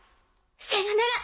さよなら！